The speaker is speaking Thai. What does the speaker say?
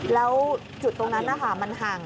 แล้วจุดตรงนั้นนะคะมันห่าง